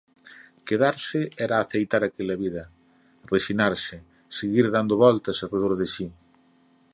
Quedarse era aceitar aquela vida, resinarse, seguir dando voltas arredor de si.